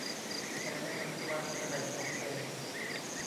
แต่ในปัจจุบันจะแบ่งออกเป็น